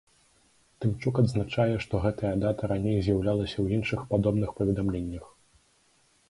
Тымчук адзначае, што гэтая дата раней з'яўлялася ў іншых падобных паведамленнях.